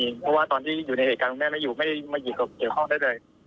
เพราะว่าตอนที่อยู่ในเหตุการณ์คุณแม่ไม่อยู่ไม่มาเกี่ยวข้องได้เลย